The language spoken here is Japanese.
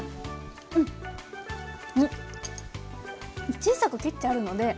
小さく切ってあるのであの。